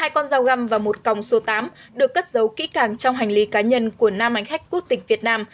hai con dao găm và một còng số tám được cất giấu kỹ càng trong hành lý cá nhân của nam hành khách quốc tịch việt nam